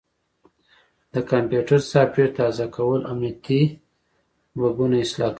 د کمپیوټر سافټویر تازه کول امنیتي بګونه اصلاح کوي.